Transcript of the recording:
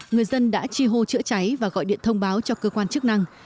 người dân đã chi hô chữa cháy và gọi điện thông báo cho cơ quan chức năng